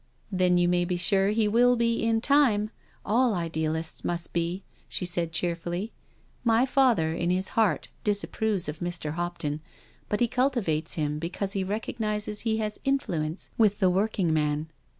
" Then you may be sure he will be in time— all idealists must be," she said cheerfully. " My father in his heart disapproves of Mr. Hopton, but he cul tivates him because he recognises he has influence with the working man."